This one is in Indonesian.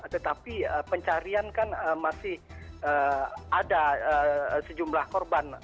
tetapi pencarian kan masih ada sejumlah korban